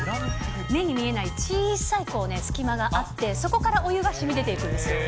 目に見えない小さな隙間があって、そこからお湯がしみ出ていくんですよ。